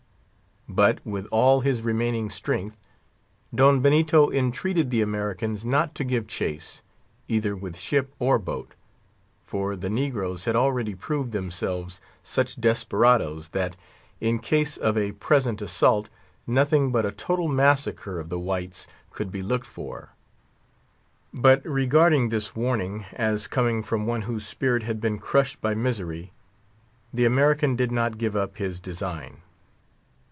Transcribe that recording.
But with all his remaining strength, Don Benito entreated the American not to give chase, either with ship or boat; for the negroes had already proved themselves such desperadoes, that, in case of a present assault, nothing but a total massacre of the whites could be looked for. But, regarding this warning as coming from one whose spirit had been crushed by misery the American did not give up his design.